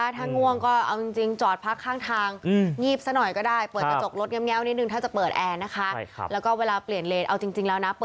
แล้วยังพ่อแมมกำคัล